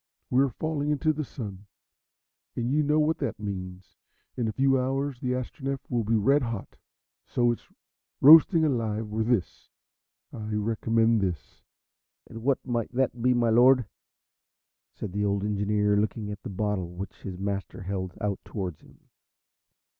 We're falling into the Sun, and you know what that means. In a few hours the Astronef will be red hot. So it's roasting alive or this. I recommend this." "And what might that be, my Lord?" said the old engineer, looking at the bottle which his master held out towards him.